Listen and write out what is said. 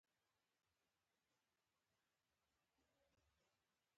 لکه د روسیې لومړي تزار اورګاډی انقلاب د روسیې تر دروازو راوړي.